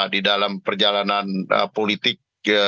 di dalam perjalanan politik